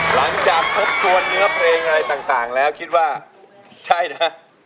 หลังจากทบทวนเนื้อเพลงอะไรต่างแล้วคิดว่าใช่นะ